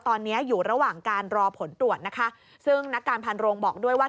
ตอนนี้อยู่ระหว่างการรอผลตรวจนะคะซึ่งนักการพันโรงบอกด้วยว่า